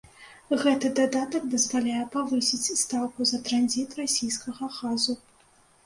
Гэты дадатак дазваляе павысіць стаўку за транзіт расійскага газу.